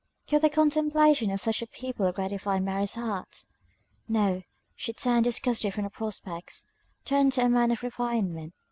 Could the contemplation of such a people gratify Mary's heart? No: she turned disgusted from the prospects turned to a man of refinement.